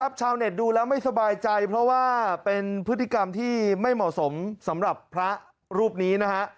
ชาวเน็ตดูแล้วไม่สบายใจเพราะว่าเป็นพฤติกรรมที่ไม่เหมาะสมสำหรับพระรูปนี้นะฮะ